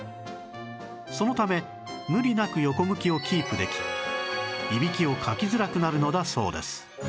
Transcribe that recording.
そのため無理なく横向きをキープできいびきをかきづらくなるのだそうです